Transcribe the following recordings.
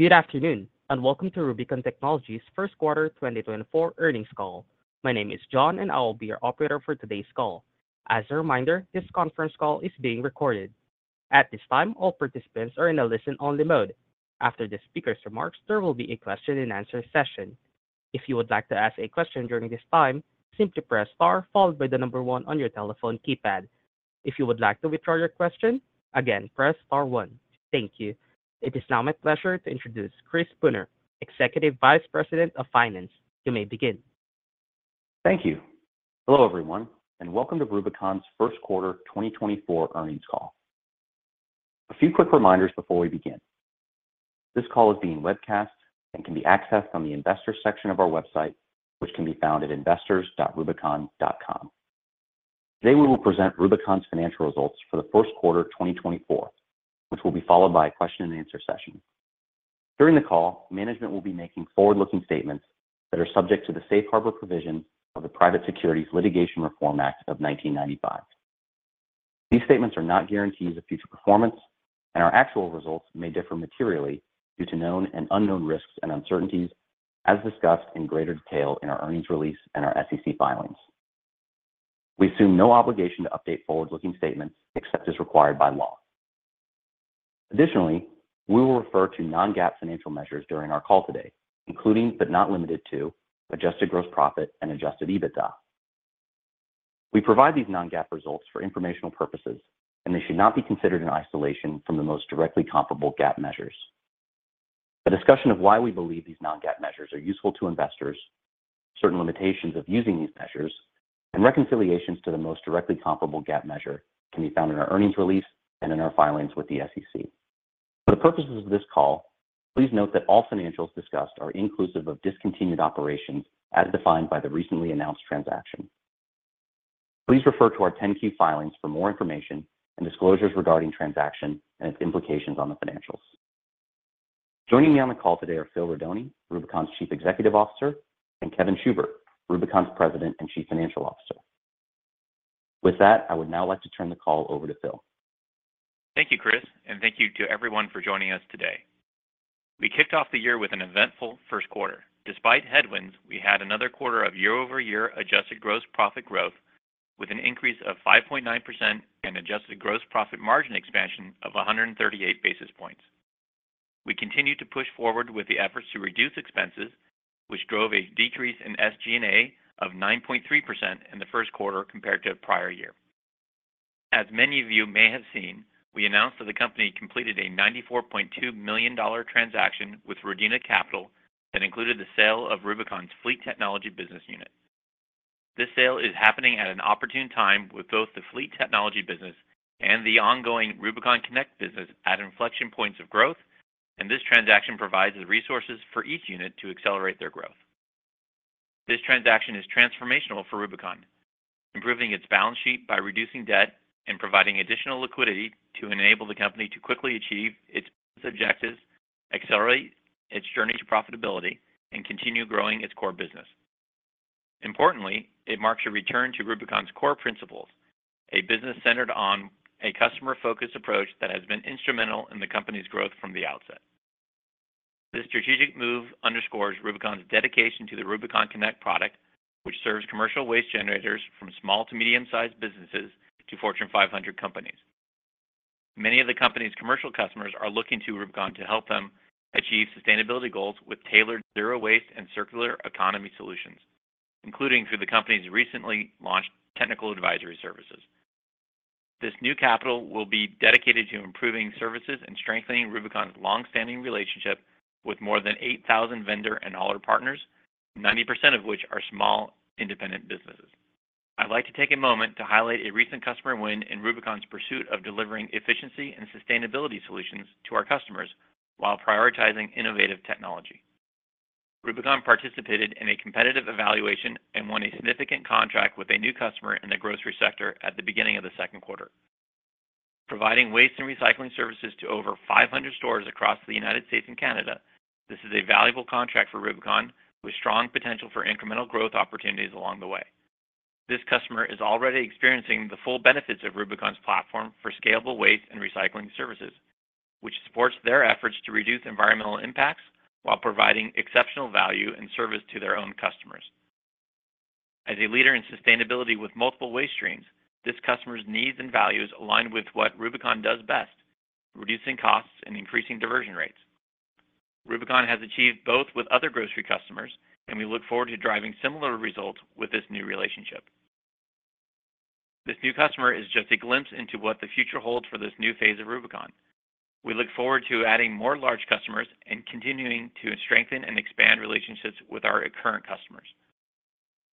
Good afternoon, and welcome to Rubicon Technologies' first quarter 2024 earnings call. My name is John, and I will be your operator for today's call. As a reminder, this conference call is being recorded. At this time, all participants are in a listen-only mode. After the speaker's remarks, there will be a question-and-answer session. If you would like to ask a question during this time, simply press Star followed by the number one on your telephone keypad. If you would like to withdraw your question, again, press Star one. Thank you. It is now my pleasure to introduce Chris Spooner, Executive Vice President of Finance. You may begin. Thank you. Hello, everyone, and welcome to Rubicon's first quarter 2024 earnings call. A few quick reminders before we begin. This call is being webcast and can be accessed from the investors section of our website, which can be found at investors.rubicon.com. Today, we will present Rubicon's financial results for the first quarter 2024, which will be followed by a question and answer session. During the call, management will be making forward-looking statements that are subject to the safe harbor provision of the Private Securities Litigation Reform Act of 1995. These statements are not guarantees of future performance, and our actual results may differ materially due to known and unknown risks and uncertainties, as discussed in greater detail in our earnings release and our SEC filings. We assume no obligation to update forward-looking statements except as required by law. Additionally, we will refer to non-GAAP financial measures during our call today, including, but not limited to, Adjusted Gross Profit and Adjusted EBITDA. We provide these non-GAAP results for informational purposes, and they should not be considered in isolation from the most directly comparable GAAP measures. A discussion of why we believe these non-GAAP measures are useful to investors, certain limitations of using these measures, and reconciliations to the most directly comparable GAAP measure can be found in our earnings release and in our filings with the SEC. For the purposes of this call, please note that all financials discussed are inclusive of discontinued operations as defined by the recently announced transaction. Please refer to our 10-K filings for more information and disclosures regarding transaction and its implications on the financials. Joining me on the call today are Phil Rodoni, Rubicon's Chief Executive Officer, and Kevin Schubert, Rubicon's President and Chief Financial Officer. With that, I would now like to turn the call over to Phil. Thank you, Chris, and thank you to everyone for joining us today. We kicked off the year with an eventful first quarter. Despite headwinds, we had another quarter of year-over-year adjusted gross profit growth with an increase of 5.9% and adjusted gross profit margin expansion of 138 basis points. We continued to push forward with the efforts to reduce expenses, which drove a decrease in SG&A of 9.3% in the first quarter compared to prior year. As many of you may have seen, we announced that the company completed a $94.2 million transaction with Rodina Capital that included the sale of Rubicon's Fleet Technology business unit. This sale is happening at an opportune time with both the Fleet Technology business and the ongoing Rubicon Connect business at inflection points of growth, and this transaction provides the resources for each unit to accelerate their growth. This transaction is transformational for Rubicon, improving its balance sheet by reducing debt and providing additional liquidity to enable the company to quickly achieve its objectives, accelerate its journey to profitability, and continue growing its core business. Importantly, it marks a return to Rubicon's core principles, a business centered on a customer-focused approach that has been instrumental in the company's growth from the outset. This strategic move underscores Rubicon's dedication to the Rubicon Connect product, which serves commercial waste generators from small to medium-sized businesses to Fortune 500 companies. Many of the company's commercial customers are looking to Rubicon to help them achieve sustainability goals with tailored zero waste and circular economy solutions, including through the company's recently launched Technical Advisory Services. This new capital will be dedicated to improving services and strengthening Rubicon's long-standing relationship with more than 8,000 vendor and auditor partners, 90% of which are small, independent businesses. I'd like to take a moment to highlight a recent customer win in Rubicon's pursuit of delivering efficiency and sustainability solutions to our customers while prioritizing innovative technology. Rubicon participated in a competitive evaluation and won a significant contract with a new customer in the grocery sector at the beginning of the second quarter. Providing waste and recycling services to over 500 stores across the United States and Canada, this is a valuable contract for Rubicon, with strong potential for incremental growth opportunities along the way. This customer is already experiencing the full benefits of Rubicon's platform for scalable waste and recycling services, which supports their efforts to reduce environmental impacts while providing exceptional value and service to their own customers. As a leader in sustainability with multiple waste streams, this customer's needs and values align with what Rubicon does best, reducing costs and increasing diversion rates. Rubicon has achieved both with other grocery customers, and we look forward to driving similar results with this new relationship. This new customer is just a glimpse into what the future holds for this new phase of Rubicon. We look forward to adding more large customers and continuing to strengthen and expand relationships with our current customers.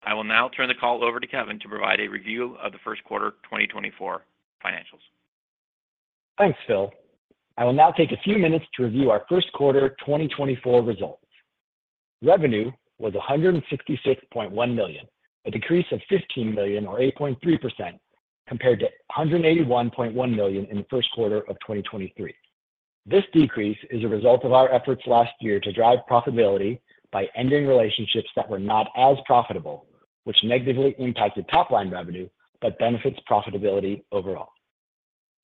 I will now turn the call over to Kevin to provide a review of the first quarter 2024 financials. Thanks, Phil. I will now take a few minutes to review our first quarter 2024 results. Revenue was $166.1 million, a decrease of $15 million or 8.3% compared to $181.1 million in the first quarter of 2023. This decrease is a result of our efforts last year to drive profitability by ending relationships that were not as profitable, which negatively impacted top-line revenue, but benefits profitability overall.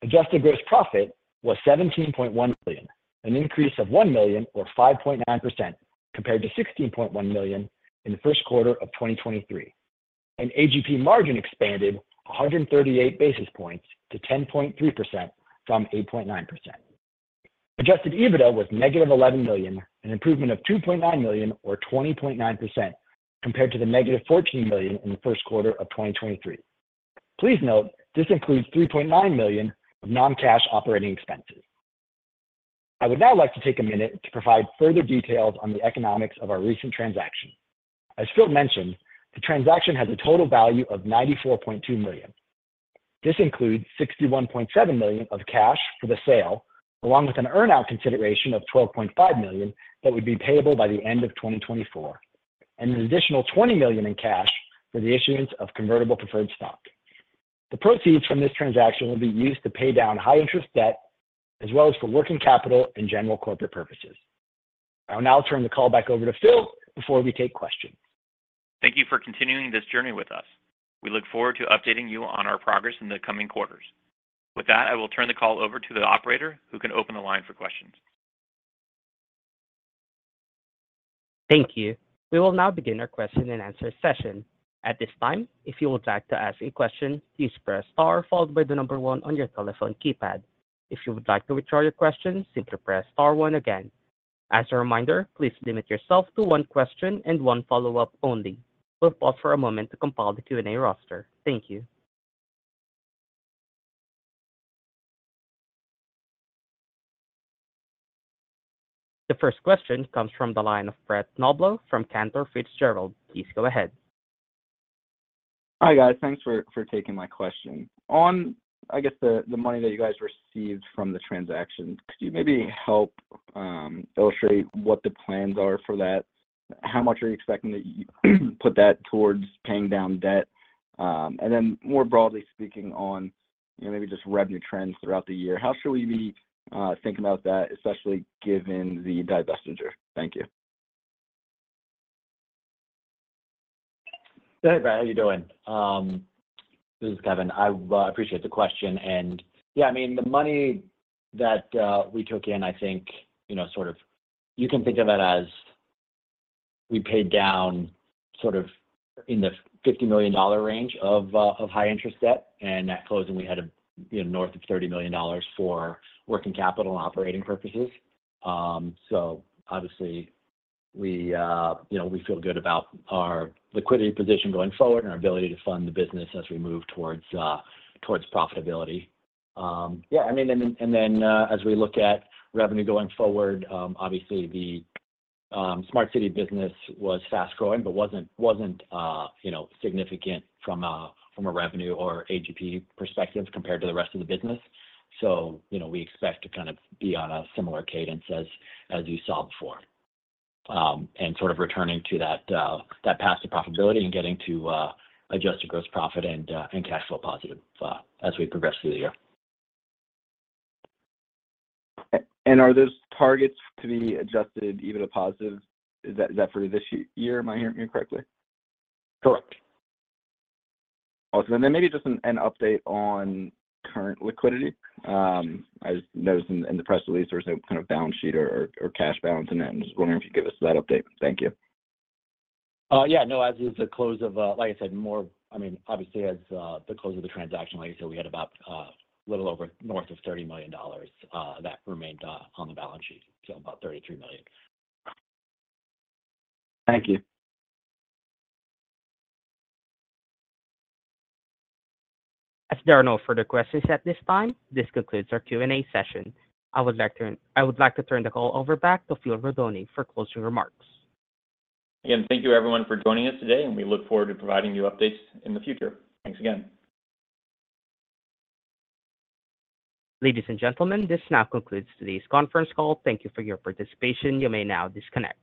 Adjusted Gross Profit was $17.1 million, an increase of $1 million, or 5.9%, compared to $16.1 million in the first quarter of 2023. AGP margin expanded 138 basis points to 10.3% from 8.9%. Adjusted EBITDA was negative $11 million, an improvement of $2.9 million, or 20.9%, compared to the negative $14 million in the first quarter of 2023. Please note, this includes $3.9 million of non-cash operating expenses. I would now like to take a minute to provide further details on the economics of our recent transaction. As Phil mentioned, the transaction has a total value of $94.2 million. This includes $61.7 million of cash for the sale, along with an earn-out consideration of $12.5 million that would be payable by the end of 2024, and an additional $20 million in cash for the issuance of convertible preferred stock. The proceeds from this transaction will be used to pay down high-interest debt, as well as for working capital and general corporate purposes. I'll now turn the call back over to Phil before we take questions. Thank you for continuing this journey with us. We look forward to updating you on our progress in the coming quarters. With that, I will turn the call over to the operator, who can open the line for questions. Thank you. We will now begin our question and answer session. At this time, if you would like to ask a question, please press star, followed by the number one on your telephone keypad. If you would like to withdraw your question, simply press star one again. As a reminder, please limit yourself to one question and one follow-up only. We'll pause for a moment to compile the Q&A roster. Thank you. The first question comes from the line of Brett Knoblauch from Cantor Fitzgerald. Please go ahead. Hi, guys. Thanks for taking my question. On, I guess, the money that you guys received from the transaction, could you maybe help illustrate what the plans are for that? How much are you expecting that you put that towards paying down debt? And then more broadly speaking, on, you know, maybe just revenue trends throughout the year, how should we be thinking about that, especially given the divestiture? Thank you. Hey, Brad, how are you doing? This is Kevin. I appreciate the question. And yeah, I mean, the money that we took in, I think, you know, sort of... You can think of it as we paid down sort of in the $50 million range of high-interest debt, and at closing we had, you know, north of $30 million for working capital and operating purposes. So obviously we, you know, we feel good about our liquidity position going forward and our ability to fund the business as we move towards profitability. Yeah, I mean, and then, as we look at revenue going forward, obviously the smart city business was fast-growing but wasn't, you know, significant from a revenue or AGP perspective compared to the rest of the business. So, you know, we expect to kind of be on a similar cadence as you saw before. And sort of returning to that path to profitability and getting to adjusted gross profit and cash flow positive as we progress through the year. And are those targets to be Adjusted EBITDA positive? Is that, is that for this year, am I hearing you correctly? Correct. Awesome. And then maybe just an update on current liquidity. I just noticed in the press release there was no kind of balance sheet or cash balance in that. I'm just wondering if you could give us that update. Thank you. Yeah, no, as of the close of, like I said, more, I mean, obviously as, the close of the transaction, like I said, we had about, a little over north of $30 million that remained on the balance sheet, so about $33 million. Thank you. As there are no further questions at this time, this concludes our Q&A session. I would like to turn the call over back to Phil Rodoni for closing remarks. Again, thank you everyone for joining us today, and we look forward to providing you updates in the future. Thanks again. Ladies and gentlemen, this now concludes today's conference call. Thank you for your participation. You may now disconnect.